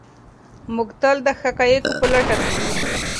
موږ تل د حقایقو په لټه کې یو.